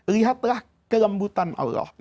lihatlah kelembutan orang itu